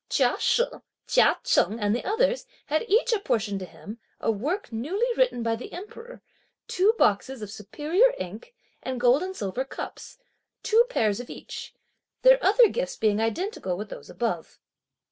Chia She, Chia Cheng and the others had each apportioned to him a work newly written by the Emperor, two boxes of superior ink, and gold and silver cups, two pairs of each; their other gifts being identical with those above.